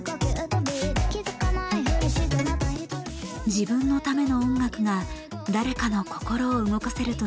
自分のための音楽が誰かの心を動かせると知ったＲｅｏｌさん。